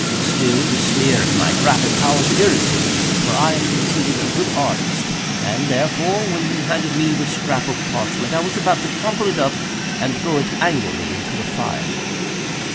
Still, the sneer at my graphic powers irritated me—for I am considered a good artist—and, therefore, when you handed me the scrap of parchment, I was about to crumple it up and throw it angrily into the fire."